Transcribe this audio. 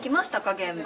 現場。